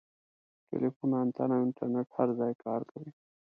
ټیلیفون انتن او انټرنیټ هر ځای کار کوي.